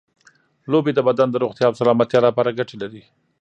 لوبې د بدن د روغتیا او سلامتیا لپاره ګټې لري.